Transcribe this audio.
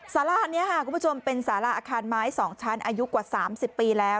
สารานี้ค่ะคุณผู้ชมเป็นสาระอาคารไม้๒ชั้นอายุกว่า๓๐ปีแล้ว